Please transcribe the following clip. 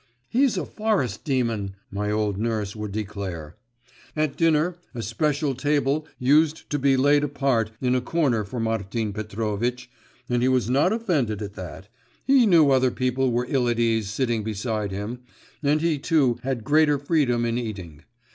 'He's a forest demon!' my old nurse would declare. At dinner a special table used to be laid apart in a corner for Martin Petrovitch, and he was not offended at that, he knew other people were ill at ease sitting beside him, and he too had greater freedom in eating.